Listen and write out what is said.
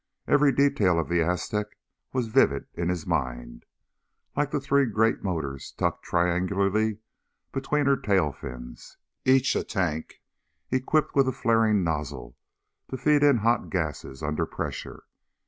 Every detail of the Aztec was vivid in his mind. Like the three great motors tucked triangularly between her tail fins, each a tank equipped with a flaring nozzle to feed in hot gases under pressure.